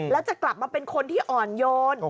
แล้วจะกลับมาเป็นคนที่อ่อนโยน